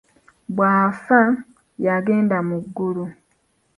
Bw’afa yagenda mu ggulu.